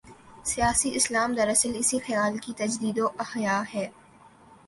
'سیاسی اسلام‘ دراصل اسی خیال کی تجدید و احیا ہے۔